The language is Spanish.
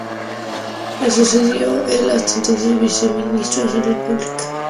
Le sucedió el hasta entonces viceministro de Salud Pública Aníbal Velásquez Valdivia.